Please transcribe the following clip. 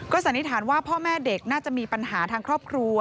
สันนิษฐานว่าพ่อแม่เด็กน่าจะมีปัญหาทางครอบครัว